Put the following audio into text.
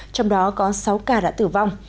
trong đó có sáu ca đã tử vong